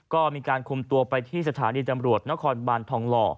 ก็มีการคุมตัวไปที่สถานีตำรวจนครบานทองหล่อ